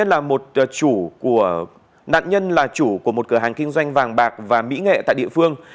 nạn nhân là chủ của một cửa hàng kinh doanh vàng bạc và mỹ nghệ tại địa phương